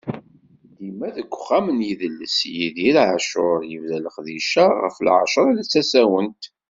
ddima deg Uxxam n yidles Idir Ɛacur, yebda leqdic-a, ɣef Lɛecṛa d tasawent.